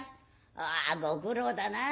「ああご苦労だなあ。